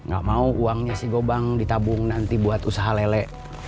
gak mau uangnya si gobang ditabung nanti buat usaha lele